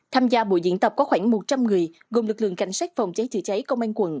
tham gia buổi diễn tập có khoảng một trăm linh người gồm lực lượng cảnh sát phòng cháy chữa cháy công an quận